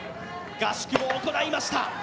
合宿も行いました。